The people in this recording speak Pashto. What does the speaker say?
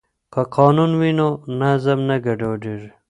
که قانون وي نو نظم نه ګډوډیږي.